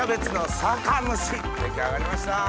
出来上がりました。